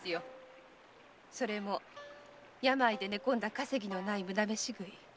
それも病で寝込んだ稼ぎのない無駄飯食い。